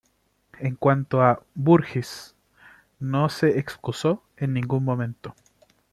En cuanto a Voorhees no se excusó en ningún momento.